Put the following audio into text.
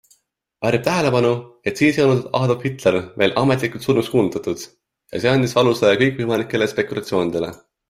Väärib tähelepanu, et siis ei olnud Adolf Hitler veel ametlikult surnuks kuulutatud ja see andis aluse kõikvõimalikele spekulatsioonidele.